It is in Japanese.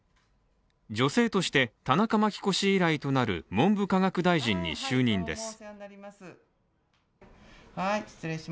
女性として田中真紀子氏以来となる文部科学大臣に就任です。